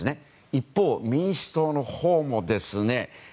一方、民主党のほうもですね。